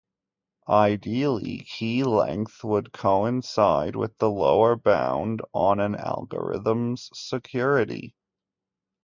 Ideally, key length would coincide with the lower-bound on an algorithm's security.